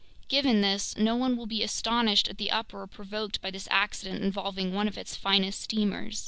Given this, no one will be astonished at the uproar provoked by this accident involving one of its finest steamers.